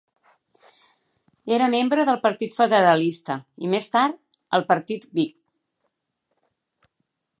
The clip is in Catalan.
Era membre del partit federalista i més tard el partit Whig.